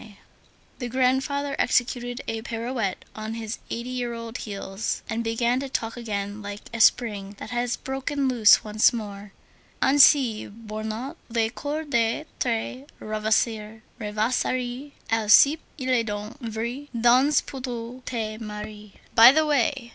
_" The grandfather executed a pirouette on his eighty year old heels, and began to talk again like a spring that has broken loose once more: "Ainsi, bornant les cours de tes rêvasseries, Alcippe, il est donc vrai, dans peu tu te maries."63 "By the way!"